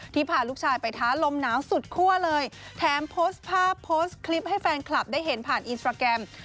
พาลูกชายไปท้าลมหนาวสุดคั่วเลยแถมโพสต์ภาพโพสต์คลิปให้แฟนคลับได้เห็นผ่านอินสตราแกรม